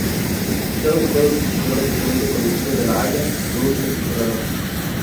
Está conectado geográficamente con el centro de la Haya por un estrecho corredor.